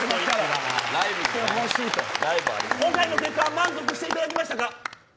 今回の結果満足していただけましたか。